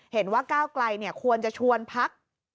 เห็นว่าก้าวไกลเนี่ยควรจะชวนภักษณ์